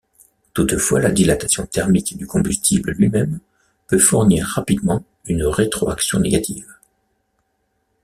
Toutefois, la dilatation thermique du combustible lui-même peut fournir rapidement une rétroaction négative.